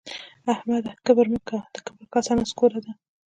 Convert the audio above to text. احمده کبر مه کوه؛ د کبر کاسه نسکوره ده